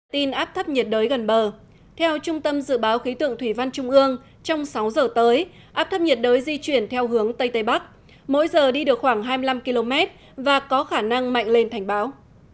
tin áp thấp nhiệt đới gần bờ theo trung tâm dự báo khí tượng thủy văn trung ương trong sáu giờ tới áp thấp nhiệt đới di chuyển theo hướng tây tây bắc mỗi giờ đi được khoảng hai mươi năm km và có khả năng mạnh lên thành bão